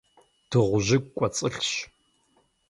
Дыгъужьыгу кӀуэцӀылъщ.